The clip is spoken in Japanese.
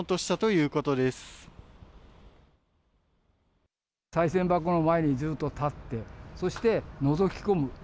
さい銭箱の前にずっと立って、そしてのぞき込む。